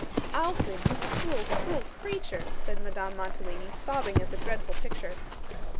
'Alfred, you cruel, cruel creature,' said Madame Mantalini, sobbing at the dreadful picture.